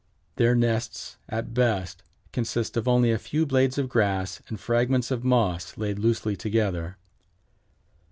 Their nests, at best, consist of only a few blades of grass and fragments of moss laid loosely together.